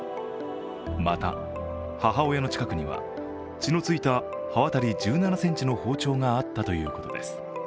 また母親の近くには、血のついた刃渡り１７ｃｍの包丁があったということです。